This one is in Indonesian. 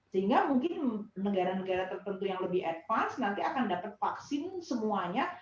sehingga mungkin negara negara tertentu yang lebih advance nanti akan dapat vaksin semuanya